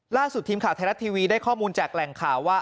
ล่าสุดทีมข่าวไทยรัฐทีวีได้ข้อมูลจากแหล่งข่าวว่า